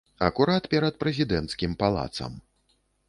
Акурат перад прэзідэнцкім палацам.